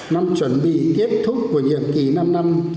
năm chuẩn bị kết thúc của nhiệm kỳ năm năm